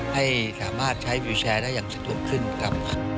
ให้สามารถใช้วิวแชร์ได้อย่างสะดวกขึ้นครับ